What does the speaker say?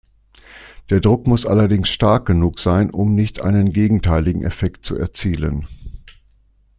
Der Druck muss allerdings stark genug sein, um nicht einen gegenteiligen Effekt zu erzielen.